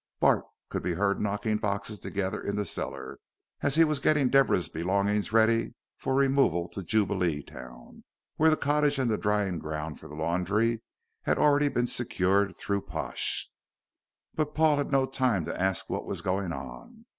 Bart could be heard knocking boxes together in the cellar, as he was getting Deborah's belongings ready for removal to Jubileetown, where the cottage, and the drying ground for the laundry, had already been secured through Pash. But Paul had no time to ask what was going on.